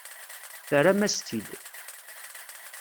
Terram-as-tt-id.